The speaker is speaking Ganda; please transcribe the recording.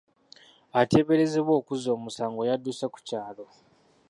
Ateeberezebwa okuzza omusango yadduse ku kyalo.